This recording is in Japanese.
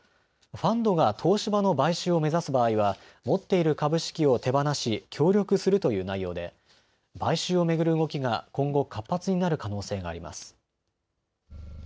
ファンドが東芝の買収を目指す場合は持っている株式を手放し協力するという内容で買収を巡る動きが今後、活発になる可能性があります。